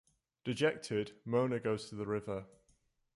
Dejected, Mona goes to the river.